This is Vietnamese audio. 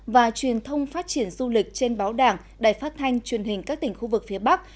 và truyền thông phát triển du lịch trên báo đảng đài phát thanh truyền hình các tỉnh khu vực phía bắc